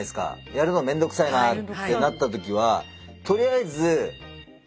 やるのめんどくさいなってなったときはとりあえずやってみる。